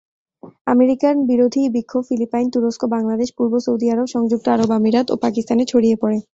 American বিরোধী বিক্ষোভ Philippines, তুরস্ক, বাংলাদেশ, পূর্ব সৌদি আরব, সংযুক্ত আরব আমিরাত ও পাকিস্তানে ছড়িয়ে পড়ে।